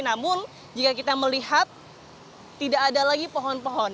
namun jika kita melihat tidak ada lagi pohon pohon